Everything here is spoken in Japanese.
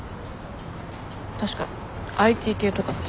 確かＩＴ系とかって。